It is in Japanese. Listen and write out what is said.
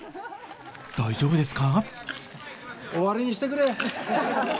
大丈夫ですか？